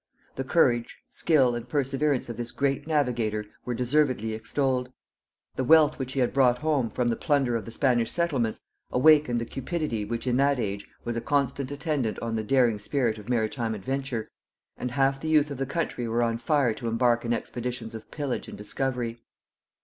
The courage, skill and perseverance of this great navigator were deservedly extolled; the wealth which he had brought home, from the plunder of the Spanish settlements, awakened the cupidity which in that age was a constant attendant on the daring spirit of maritime adventure, and half the youth of the country were on fire to embark in expeditions of pillage and discovery.